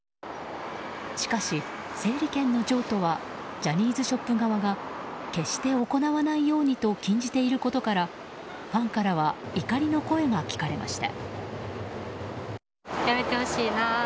しかし、整理券の譲渡はジャニーズショップ側が決して行わないようにと禁じていることからファンからは怒りの声が聞かれました。